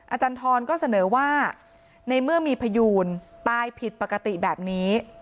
อาจารย์ทรก็เสนอว่าในเมื่อมีพยูนตายผิดปกติแบบนี้